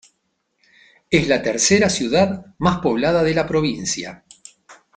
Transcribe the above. Es la tercera ciudad más poblada de la provincia.